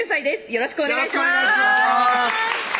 よろしくお願いします